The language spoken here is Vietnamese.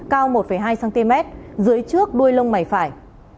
cao một hai cm dưới trước đuôi lông mày phải